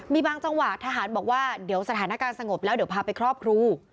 มีบางจังหวะทหารบอกว่าเดี๋ยวสถานการณ์สงบแล้วเดี๋ยวพาไปครอบครู